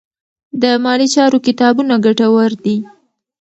د مالي چارو کتابونه ګټور دي.